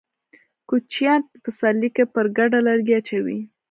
کوچيان په پسرلي کې پر کډه لرګي اچوي.